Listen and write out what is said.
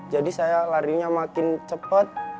jadi saya larinya makin cepet